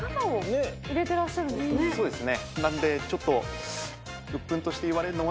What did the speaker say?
そうですね